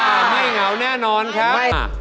ไม่เหงาแน่นอนครับ